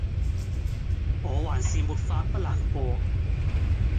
我還是沒法不難過